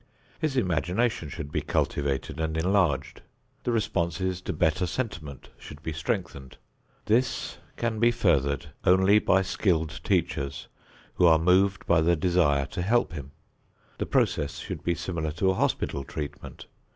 His imagination should be cultivated and enlarged. The responses to better sentiment should be strengthened. This can be furthered only by skilled teachers who are moved by the desire to help him. The process should be similar to a hospital treatment.